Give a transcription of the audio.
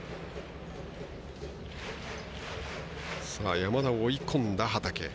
山田を追い込んだ畠。